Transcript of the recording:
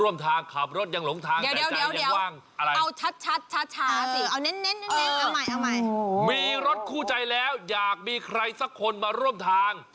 มีรถคู่ใจแล้วอยากมีใครสักคนมาร่วมทาง